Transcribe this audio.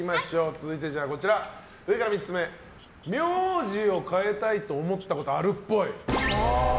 続いて、上から３つ目名字を変えたいと思ったことあるっぽい。